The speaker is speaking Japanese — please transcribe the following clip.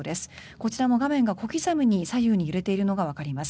こちらも画面が小刻みに左右に揺れているのがわかります。